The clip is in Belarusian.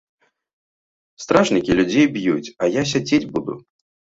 Стражнікі людзей б'юць, а я сядзець буду?